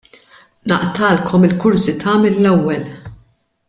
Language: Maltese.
Naqtgħalkom il-kurżità mill-ewwel.